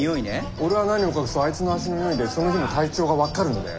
俺は何を隠そうあいつの足の匂いでその日の体調が分かるんだよ。